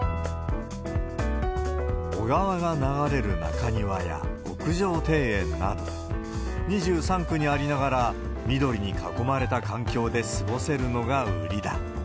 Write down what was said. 小川が流れる中庭や、屋上庭園など、２３区にありながら、緑に囲まれた環境で過ごせるのが売りだ。